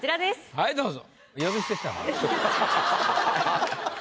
はいどうぞ。